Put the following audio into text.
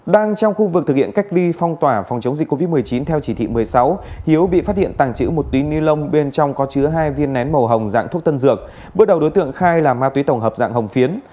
đang trong khu vực thực hiện cách ly phong tỏa phòng chống dịch covid một mươi chín theo chỉ thị một mươi sáu hiếu bị phát hiện tàng trữ một túi ni lông bên trong có chứa hai viên nén màu hồng dạng thuốc tân dược bước đầu đối tượng khai là ma túy tổng hợp dạng hồng phiến